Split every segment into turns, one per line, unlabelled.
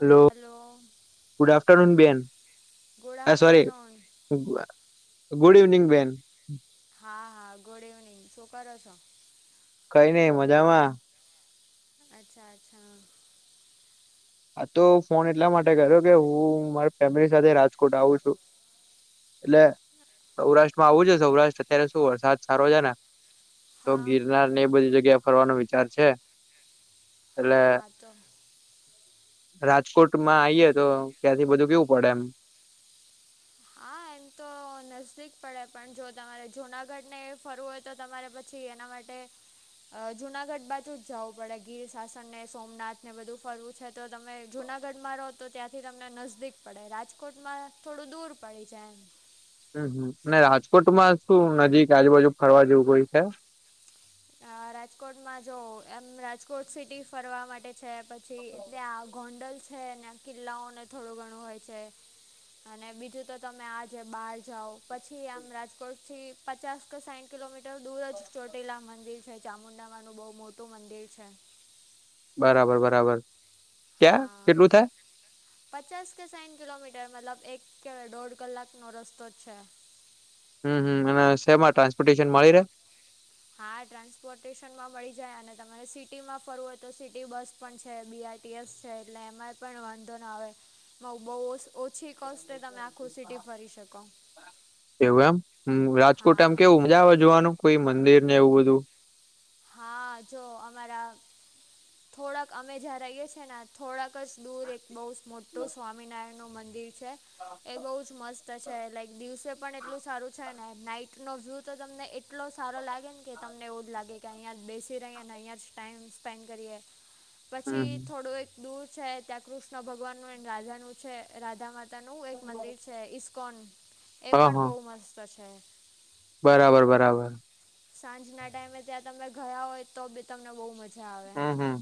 Hello good afternoon બેન.
Good
આ sorry
afternoon.
[unintelligible] Good evening બેન.
હા હા ગુડ ઇવનિંગ શું કરો છો.
કઈ નઈ મજામાં.
અચ્છા અચ્છા.
આ તો ફોન એટલા માટે કર્યો કે હું મારી ફેમિલી સાથે રાજકોટ આવું છું. એટલે સૌરાષ્ટ્રમાં આવું છે સૌરાષ્ટ્ર અત્યારે શું વરસાદ સારો છે ને. તો
હા
ગિરનારને એ બધી જગ્યાએ ફરવાનો વિચાર છે. એટલે
હા હા તો
રાજકોટમાં આઈએ તો ક્યાંથી બધું કેવું પડે એમ
હા એમ તો નજદીક પડે પણ જો તમારે જુનાગઢ ને ફરું હોય તો તમારે પછી એના માટે અ જુનાગઢ બાજુ જવું પડે ગીર શાસન ને સોમનાથ ને બધું ફરવું છે તો તમે જુનાગઢમાં રહો તો ત્યાંથી તમને નજદીક પડે રાજકોટમાં થોડું દૂર પડી જાય.
હમમ અને રાજકોટમાં શું નજીક આજુબાજુ ફરવા જેવું કોઈ છે?
અ રાજકોટમાં જો એમ રાજકોટ સિટી ફરવા માટે છે, પ છી ત્યાં ગોંડલ છે ને કિલ્લાઓને થોડું ઘણું હોય છે. અને બીજું તો તમે આ જે બહાર જાઓ પછી આમ રાજકોટથી પચાસ કે સાહીઠ કિલોમીટર દૂર જ ચોટીલા મ દિર છે ચામુંડામાંનું બહુ મોટું મંદિર છે.
બરાબર બરાબર ક્યાં
હા
કેટલું થાય?
પચાસ કે સાઈઠ કિલોમીટર મતલબ એક કે દોઢ કલાક નો રસ્તો છે.
હમ હમ અને સેમાં ટ્રાન્સપોર્ટેશન મળી રહે.
હા ટ્રાન્સપોર્ટેશનમાં મળી જાય અને તમારે સિટીમાં ફરવું હોય તો સિટી બસ પણ છે બીઆરટીએસ છે એટલે એમાં પણ વાંધો ના આવે બહુ ઓછી કોસ્ટે તમે આખું સિટી ફરી શકો.
એવું એમ હમ રાજકોટ એમ
હા
કેવું મજા આવે જોવાનું કોઈ મંદિર ને એવું બધું?
હા જો અમારા થોડાક અમે જ્યાં રહીએ છીએ ને થોડાક જ દૂર એક બહુ મોટું સ્વામિનારાયણ નું મંદિર છે એ બહુ જ મસ્ત છે લાઇક દિવસે પણ એટલું સારું છે ને નાઈટ નો વ્યૂ તો તમને એટલો સારો લાગે ને કે તમને એવું જ લાગે કે અહીંયા જ બેસી રહી અને અહીંયા જ ટાઈમ સ્પેન્ડ કરીએ પછી
હમ
થોડું એક દૂર છે ત્યાં કૃષ્ણ ભગવાનનુ એ રાધાનું છે રાધામાં તા નું એક મંદિર છે ઈસ્કોન એ
હા
પણ
હા
બહુ મસ્ત છે.
બરાબર બરાબર
સાંજના ટાઈમે ત્યાં તમે ગયા હોય તો બી તમને બહુ મજા આવે.
હમ હમ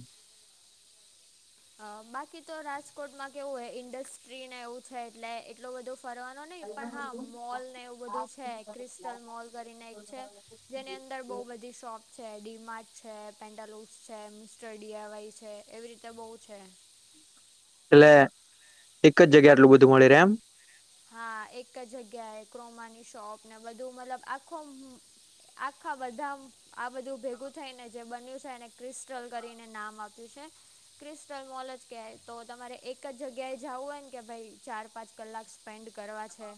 અ બાકી તો રાજકોટમાં કેવું હ ઇન્ડસ્ટ્રીને એવું છે એટલે એટલું બધું ફરવાનું નહી પણ હા મોલ ને એવું બધું છે ક્રિસ્ટલ મોલ કરીને એક છે. જેની અંદર બહુ બધી શોપ છે ડીમાર્ટ છે, પેન્ડલુસ છે, મ સ્ટર ડી આઇ વાય છે એવી રીતે બહુ છે.
એટલે એક જ જગ્યા એટલું બધું મળી રહે એમ.
હા એક જ જગ્યાએ ક્રોમાની શોપ ને બધું મતલબ આખો આખા બધા આ બધું ભેગું થઈને જે બન્યું છે એને ક્રિસ્ટલ કરીને નામ આપ્યું છે. ક્રિસ્ટલ મોલ જ કહેવાય તો તમારે એક જ જગ્યાએ જવું હોય ને કે ભાઈ ચાર પાંચ કલાક સ્પેન્ડ કરવા છે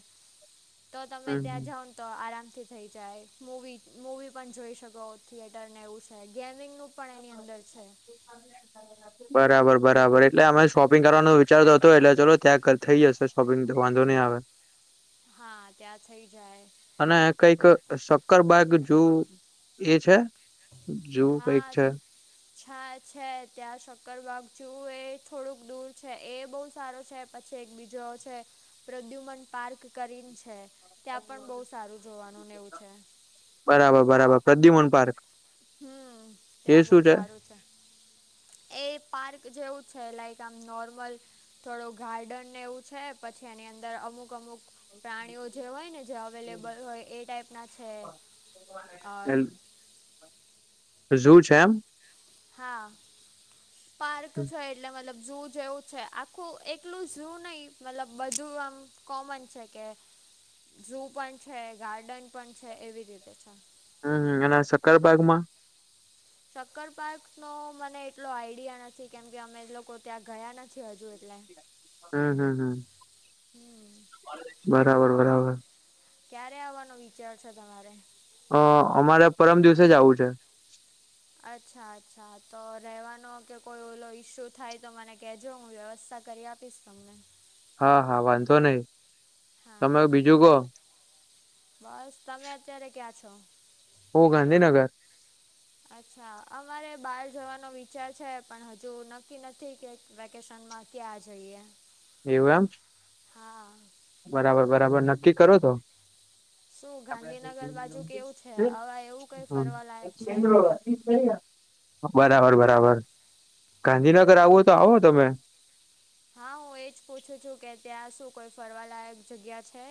તો તમે
હમ
ત્યાં
હમ
જઓ તો આરામથી થઈ જાય મૂવી મૂવી પણ જોઈ શકો થિયેટરને એવું છે ગેમિંગનું પણ એની અંદર છે.
[inaudible] બરાબર બરાબર એટલે અમે શોપિંગ કરવાનું વિચારતો હતો એટલે ચાલો ત્યાં થઈ જશે શોપિંગ તો વાંધો નહી આવે.
હા ત્યાં થઇ જાય.
અને કઈક શક્કર બાગ જોવું એ છે? જુ કઈક
હા
છે.
હા છે ત્યાં શક્કરવાગ જેઉ થોડુંક દૂર છે એ બહુ સારો છે. પછી એક બીજો છે પ્રદ્યુમન પાર્ક કરીને છે. ત્યાં પણ બહુ સારું જોવાનુંને એવું છે.
બરાબર બરાબર પ્રદ્યુમન પાર્ક.
હમ
એ
ત્યાં બહુ
શું
સારું છે. એ પાર્ક જેવું છે લાઇક આમ નોર્મલ થોડું ગાર્ડનને એવું છે પછી એની અંદર અમુક અમુક પ્રાણીઓ જે હોય ને જે અવેલેબલ હોય એ ટાઈપ ના છે અ
હેલ્પ ઝુ છે એમ
હા પાર્ક છ એટલૅ મતલબ ઝૂ જેવું છે આખું એકલું ઝૂ નહી મતલબ બધું આમ કોમન છે કે ઝુ પણ છે ગાર્ડન પણ છે એવી રીતે છે
હમ અને સક્કરબાગમાં
શક્કર પાર્કનો મને એટલો આઈડિયા નથી કેમ કે અમે લોકો ત્યાં ગયા નથી હજુ એટલે
હમ હમ હમ
હમ
બરાબર બરાબર
ક્યારે આવવાનો વિચાર છે તમારે
અ અમારે પરમ દિવસે જ આવું છે
અચ્છા અચ્છા તો રહેવાનો કે કોઈ ઓલો ઇસ્યુ થાય તો મને કહેજો હું વ્યવસ્થા કરી આપ પ તમને
હા હા વાંધો નહી તમે
હા
બીજું કહો
બસ તમે અત્યારે ક્યાં છો
હુ ગાંધીનગર
અચ્છા અમારે બહાર જવાનો વિચાર છે પણ હજુ નક્કી નથી કે વેકેશનમાં કયાં જઈએ
એવું એમ
હા
બરાબર બરાબર નક્કી કરો તો
શું ગાંધીનગર બાજુ કેવું છે હવે એવું કંઈ ફરવાલાયક છે
હ બરાબર બરાબર ગાંધીનગર આવો તો આવો તમે
હા હું એજ પૂછું છું કે ત્યાં શું કોઈ ફરવાલાયક જગ્યા છે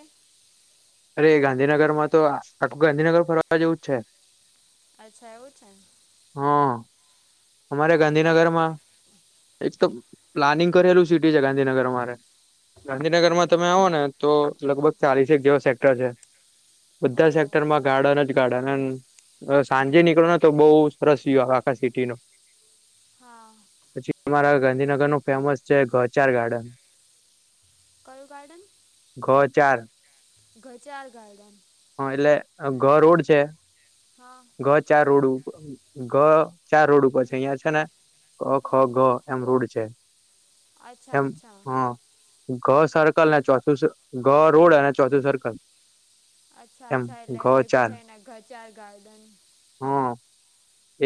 અરે ગાંધીનગર માં તો આખું ગાંધીનગર ફરવા જેવું જ છે
અચ્છા એવું છે
હા અમારે
હા કંઈક
ગાંધીનગરમાં એક તો પ્લાનિંગ કરેલું સિટી છે ગાંધીનગર અમારે ગાંધીનગરમાં તમે આવો ને તો
હા
લગભગ ચાલીસેક જેવા સેક્ટર છે બધા સેક્ટર
ઓહ
માં ગાર્ડન જ ગાર્ડન એમ સાંજે નીકળો ને તો બહુ સરસ વ્યુહ આખા સિટી નો
હા
પછી અમારા ગાંધીનગર નું ફેમસ છે ગૌચાર ગાર્ડન
કયુ ગાર્ડન
ગૌ ચાર
ગચાર ગાર્ડન
હા એટલે ગરુડ છે
હા
ઘ ચાર રોડ ગ ચાર રોડ ઉપર છે અહિયાં છે ને ક ખ
હા
ગ એમ રોડ છે
અચ્છા
એમ
અચ્છા
હા ઘ સર્કલ અને ચોથું ઘ રોડ અને ચોથું સર્કલ
અચ્છા
એમ
અચ્છા એટલે
ઘ
ભેગું
ચાર
થઈને ઘચાર ગાર્ડન
હા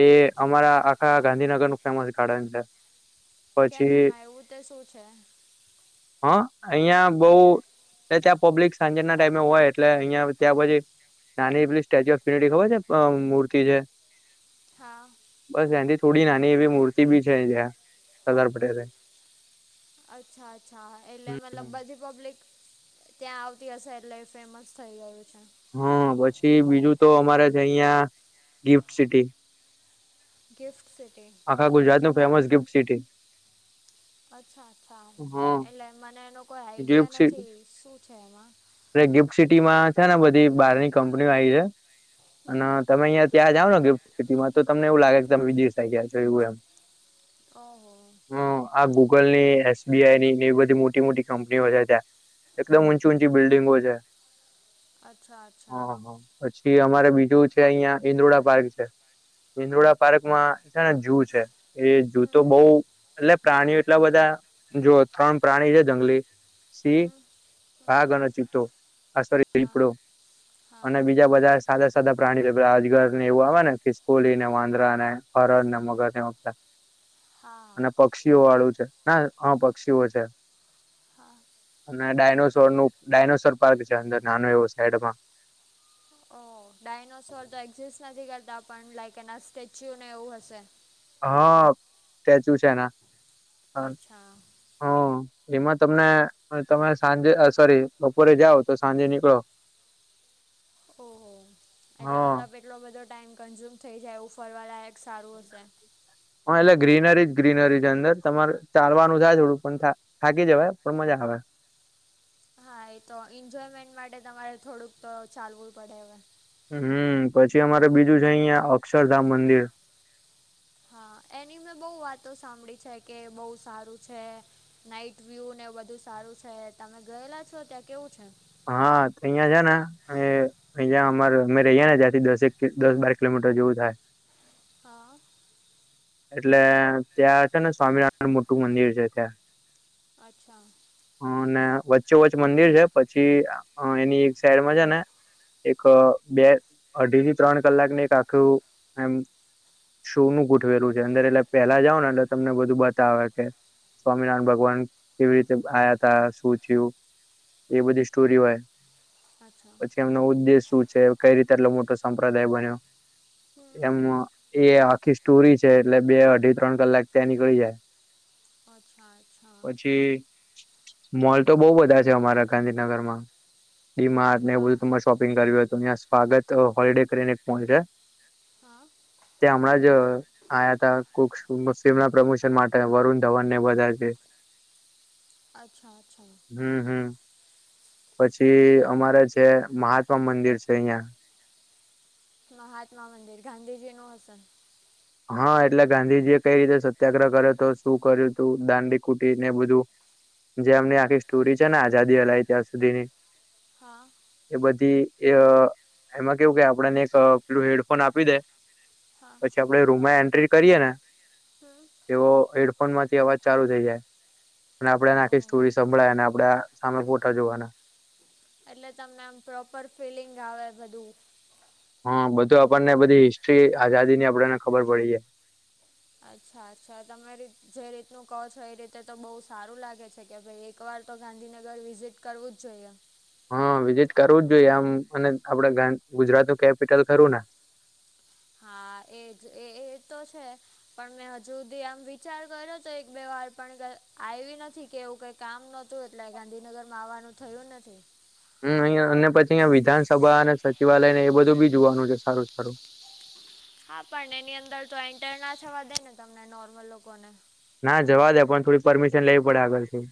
એ
અચ્છા
અમારા આખા ગાંધીનગર નું ફેમસ ગાર્ડન છે
કેમ
પછી
એમાં એવું તો શું છે
હા! અહિયાં બઉ.
એ
એટલે ત્યાં પબ્લિક સાંજે ના ટાઈમે હોય. એટલે અહિયાં ત્યાં પછી. નાની એલી સ્ટેચ્યુ ઓફ યુનિટી ખબર છે. મૂર્તિ છે.
હા!
બસ ત્યાંથી થોડી નાની એવી મૂર્તિ બી છે. જ્યાં સરદાર પટેલ.
અચ્છા અચ્છા. એટલે મતલબ બધ પબ્લિક ત્યાં આવતી હશે. એટલે ફેમસ થઈ ગયું છે.
હા! પછી બીજું તો અમારે છે, અહિયાં ગિફ્ટ સિટી.
Gifts city.
આખા ગુજરાત નુ ફેમસ ગિફ્ટ સિટી.
અચ્છા અ્છા!
હા
એટલે મને એનો કોઈ આઈડિયા નથી. શું છે એમાં?
એ ગિફ્ટ સિટી માં છે ને, બધી બહારની કંપનીઓ આવી છે.
હમ
અને તમે અહિયાં ત્યાં જાઓ ને ગેફ્ટ સિટીમાં, તો તમને એવું લાગે કે, તમે વિદેશ ગયા છો એવું એમ.
ઓહ!
હ આ ગૂગલ ની, એસબીઆઈ ની એવી બધી મોટી મોટી કંપનીઓ છે. ત્યાં. એકદમ ઊંચી ઊંચી બિલ્ડિંગો છે.
અચ્છા અચ્છા!
હા હા પછી અમારે બીજું છે, અહિયાં ઇન્દ્રુડા પાર્ક છે. ઇદોડા પાર્કમાં છે ને, જુ છે. એ જૂ તો
હમ
બઉ એટલે પ્રાણીઓ એટલા બધા, જો ત્રણ પ્રાણી છે જંગલી સિંહ
હમ
વાગ અને ચિતો આસારી
હમ હા
દીપડો
હા
અને બી બીજા બધા સાદા સાદા પ્રાણીઓ અજગર ને એવું આવે ને, ખિસ્કોલી ને, વાંદરા ને, હરણ ને, મગર ને એવું
હા
અને પક્ષીઓ વાળું છે ના હા પક્ષીઓ છે.
હા!
અને ડાયનોસોર નું ડાયનોસોર પાર્ક છે. અંદર નાનો એવો સાઈડમાં.
ઓ ડાયનોસોર તો એક્ઝિસ્ટ નથી કરતા. પણ લાઈક એના સ્ટેચ્યુ ને એવું હશે.?
હા! સ્ટેચ્યુ છે એના.
અચ્છા!
હા! એમાં તમને તમે સાંજે સોરી બપોરે જાઓ તો, સાંજે નીકળો. [inaudible]
ઓહો! એટલે
હા
મતલબ એટલો બધો ટાઈમ કન્ઝ્યુમ થઈ જાય, એ ફરવા લાયક સારું હશે.?
હા! એટલે ગ્રીનરી જ ગ્રીનરીજ અંદર. તમારે ચાલવાનું થાય થોડું પણ થાય થાકી જવા. પણ મજા આવે.
હા! એ તો એન્જોયમેન્ટ માટે, તમારે થોડુંક તો ચાલવું પડે હવે.
હમ! પછી અમારે બીજું છે અહિયાં, અક્ષરધામ મંદિર.
હા! એની મેં બહુ વાતો સાંભળી છે. કે બહુ સારું છે. નાઈટ વ્યુ ને એ બધું સારું છે. તમે ગયેલા છો,? ત્યાં કેવું છે?
હા! તો અહિયાં છે ને? અહિયાં અમારે અમે રહીયા ને, ત્યાંથી દસ એક દસ બાર કિલોમીટર જેવું થાય.
હા!
એટલે ત્યાં છે ને, સ્વામિનારાયણ મોટું મંદિર છે ત્યાં
અચ્છા!
અને વચ્ચે વચ્ચ મંદિર છે. પછી એની એક સાઈડમાં છે ને એક બે અઢી થી ત્રણ કલાકને એક આખું એમ શું નું ગોઠવેલું છે. અંદર એટલે પેલા જાવ ને એટલે તમને બધું બતાવે કે સ્વામિનારાયણ ભગવાન કેવી રીતે આ્યા તા. શું થયું? એ
હમ્મ.
બધી સ્ટોરી હોય.
અચ્છા.
પછી-' એમનો ઉદ્દેશ શું છે? કઈ રીતે આટલો મોટો સંપ્રદાય બન્યો?
હમ્મ.
એમ એ આખી સ્ટોરી છે. એટલે બે અઢી ત્રણ કલાક ત્યાં નીકળી જાય.
અચ્છા અચ્છા.
પછી મોલ તો બહુ બધા છે અમારા ગાંધીનગર માં મા ને
હા
બધું મસ્ત શોપિંગ કર્યું હોય તો અહીયાં સ્વાગત હોલિડે કરીને એક મોલ છે.
હા.
ત્યાં હમણાં જ આયા ત કોક્ષ મુસ્લિમ ના પ્રમોશન માટે વરુણ ધવન ને બધા છે.
અચ્છા અચ્છા
હમ્મ હમ્મ પછી
એ
અમારે છે મહાત્મા મંદિર છે અહિયાં
મહાત્મા મંદિર ગાંધીજી નું હસન
હા એટલે ગાંધીજી એ કઈ રીતે સત્યાગ્રહ કર્યો હતો શું કર્યું તું દાંડી કૂટી ને બધું જે એમની આખી સ્ટોરી છે ને આઝાદી હલાય ત્યાં સુધીની
હા
એ બધી એ એમાં કેવું કે આપણને એક પેલું હેડફોન આપી દે
હા
આપણે રૂમમાં એન્ટ્રી કરીયે ને
હમ્મ.
એવો હેડફોન માંથી અવાજ ચાલુ થઈ જાય અને આપડેને આખી
ઓહ
સ્ટોરી સંભળાય અને આપડે સામે ફોટા જોવાના
એટલે તમને એમ પ્રોપર ફિલિંગ આવે બધું
હા બધું આપણને બધી હિસ્ટ્રી આઝાદી ની આપડેને ખબર પડી જાય
અચ્છા અચ્છા તમે જે રીતનું કહો છો એ રીતે તો બહુ સારું લાગે છે કે ભાઈ એકવાર તો ગાંધીનગર વિઝિટ કરવું જ જોઈએ
હા વિઝિટ કરવું જ જોઈએ આમ અને આપડે ગુજરાત નું કેપિટલ ખરું ને
હા એજ એ તો છે. પણ મેં હજુ સુધી આમ વિચાર કર્યો તો એક બે વાર પણ આવી નથી કે એવું કઈ કામ નહોતું એટલે ગાંધીનગરમાં આવવાનું થયું નથી
હમ અહં અને પછી અયા વિધાનસભા અને સચિવાલય ને એ બધું બી જોવાનું છે સારું સારું
હા પણ એની અંદર તો એન્ટર ના થવા દે ને તમને નોર્મલ લોકોને
ના જવા દે પણ થોડી પરમિશન લેવી પડે આગળથી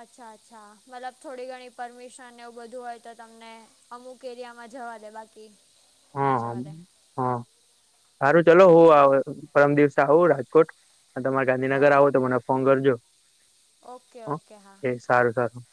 અચ્છા અચ્છા મતલબ થોડી ઘણી પરમિશન એવું બધું હોય તો તમને અમુક એરિયામાં જવા દે બાકી
[inaudible]
ના
હા હા
જવા દે
હા સારું ચલો હું
અચ્છા
પરમ દિવસે આવું રાજકોટ હા તમામે ગાંધીનગર
ઓકે
આવો તો મને ફોન કરજો
ઓકે
હ
ઓકે હા
એ
હા
સારું સારું